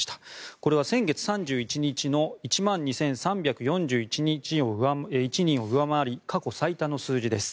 これは先月３１日の数字を上回り、過去最多の数字です。